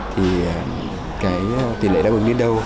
thì tỷ lệ đáp ứng đến đâu